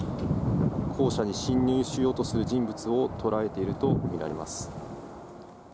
校舎に侵入しようとする人物を捉えているとみられます。